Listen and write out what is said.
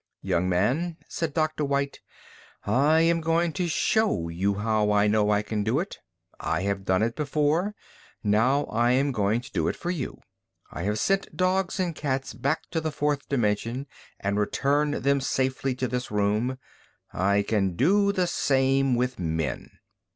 "Young man," said Dr. White, "I am going to show you how I know I can do it. I have done it before, now I am going to do it for you. I have sent dogs and cats back to the fourth dimension and returned them safely to this room. I can do the same with men."